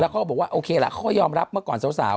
เขาก็บอกว่าโอเคล่ะเขาก็ยอมรับเมื่อก่อนสาว